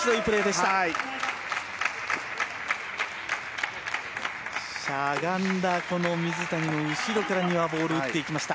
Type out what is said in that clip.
しゃがんだ水谷の後ろから丹羽がボールを打っていきました。